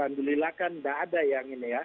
andulilah kan nggak ada yang ini ya